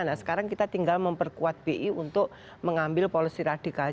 nah sekarang kita tinggal memperkuat bi untuk mengambil policy radikal